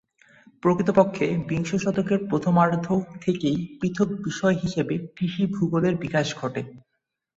প্রকৃতপক্ষে, বিংশ শতকের প্রথমার্ধ থেকেই পৃথক বিষয় হিসেবে কৃষি ভূগোলের বিকাশ ঘটে।